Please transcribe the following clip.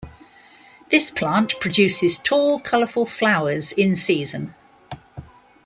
This plant produces tall colorful flowers in season.